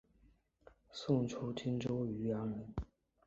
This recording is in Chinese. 宋初蓟州渔阳人。